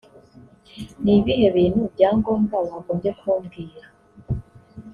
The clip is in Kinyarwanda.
ni ibihe bintu bya ngombwa wagombye kumbwira